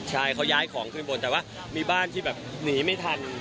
ใช่เขาย้ายของขึ้นบนแต่ว่ามีบ้านที่แบบหนีไม่ทัน